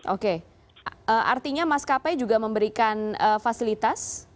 oke artinya mas kape juga memberikan fasilitas